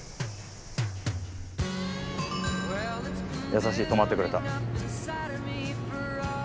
優しい止まってくれた。